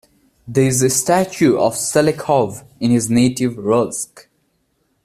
There is a statue of Shelekhov in his native Rylsk.